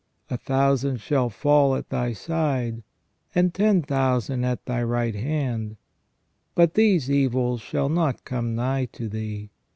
A thousand shall fall at thy side, and ten thousand at thy right hand : but these evils shall not come nigh to thee.